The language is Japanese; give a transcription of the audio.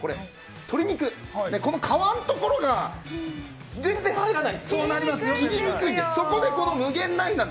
鶏肉の皮のところが全然、入らない。